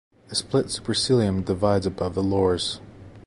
A split supercilium divides above the lores.